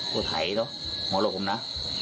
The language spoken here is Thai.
ก็ไถเนอะหัวลูกผมนะ